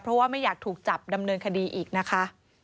เพราะว่าไม่อยากถูกจับดำเนินคดีอีกนะคะ